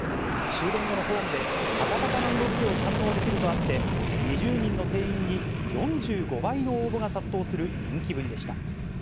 終電後のホームで、パタパタの動きを堪能できるとあって、２０人の定員に４５倍の応募が殺到する人気ぶりでした。